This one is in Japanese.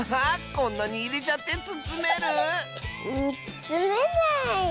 こんなにいれちゃってつつめる⁉つつめない。